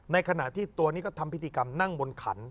ในขณะที่ตัวนี้ก็ทำพิธีกรรมนั่งบนขัน